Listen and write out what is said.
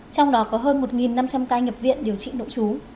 trong đó có hơn một năm trăm linh ca nhập viện điều trị nội trú